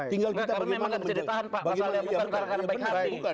tinggal kita bagaimana menjaga